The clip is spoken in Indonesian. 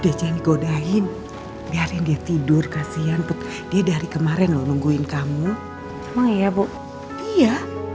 udah jangan go dahin biarin dia tidur kasian dia dari kemarin lu nungguin kamu emang iya bu iya